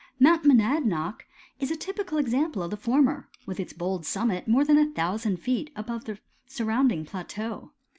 Mount Monadnock is a typical example of the former, with its bold summit more than a thousand feet above the surrounding plateau.